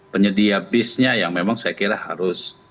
penyedia bisnya yang memang saya kira harus